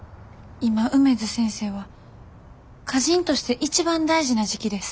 今梅津先生は歌人として一番大事な時期です。